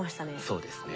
そうですね。